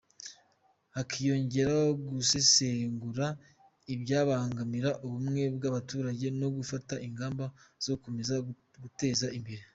Hakiyongeraho gusesengura ibyabangamira ubumwe bw’abaturage no gufata ingamba zo gukomeza kubuteza imbere.